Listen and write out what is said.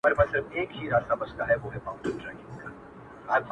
o موږ د تاوان په کار کي یکایک ده ګټه کړې،